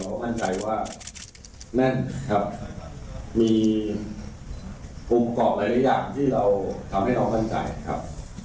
เราก็มั่นใจว่าแน่นครับมีกลมกรอกหลายหลายอย่างที่เราทำให้เรามั่นใจครับ